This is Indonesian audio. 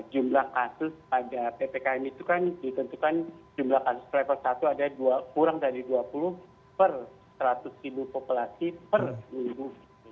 jumlah kasus pada ppkm itu kan ditentukan jumlah kasus level satu ada kurang dari dua puluh per seratus ribu populasi per minggu